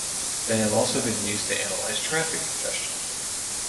They have also been used to analyze traffic congestion.